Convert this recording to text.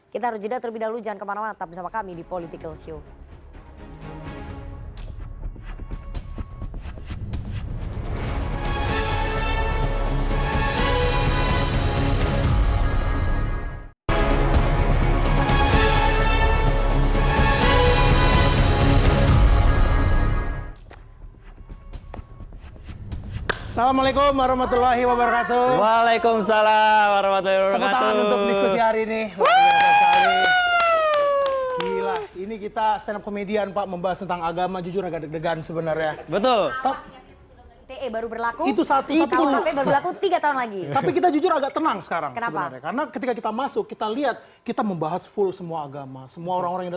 kita harus jelaskan terlebih dahulu jangan kemana mana